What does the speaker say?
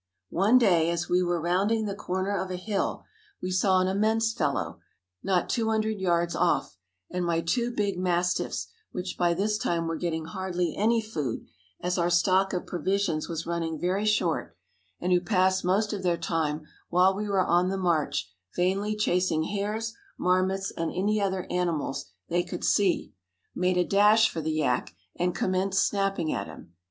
One day, as we were rounding the corner of a hill, we saw an immense fellow, not 200 yards off; and my two big mastiffs, which by this time were getting hardly any food as our stock of provisions was running very short, and who passed most of their time while we were on the march vainly chasing hares, marmots and any other animals they could see made a dash for the yak and commenced snapping at him.